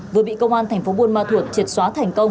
vừa bị công an tp buôn ma thuột triệt xóa thành công